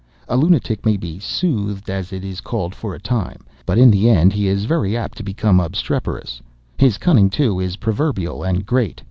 A lunatic may be 'soothed,' as it is called, for a time, but, in the end, he is very apt to become obstreperous. His cunning, too, is proverbial and great.